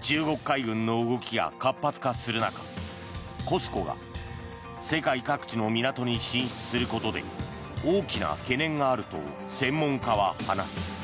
中国海軍の動きが活発化する中ＣＯＳＣＯが世界各地の港に進出することで大きな懸念があると専門家は話す。